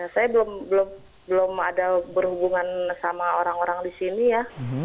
saya belum ada berhubungan sama orang orang di sini ya